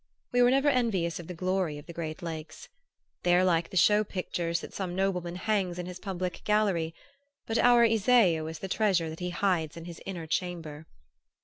We were never envious of the glory of the great lakes. They are like the show pictures that some nobleman hangs in his public gallery; but our Iseo is the treasure that he hides in his inner chamber.